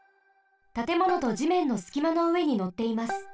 たてものとじめんのすきまのうえにのっています。